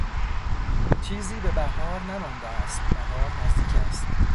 چیزی به بهار نمانده است، بهار نزدیک است.